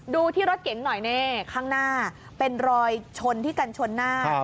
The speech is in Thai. ดูที่รถเก๋งหน่อยนี่ข้างหน้าเป็นรอยชนที่กันชนหน้า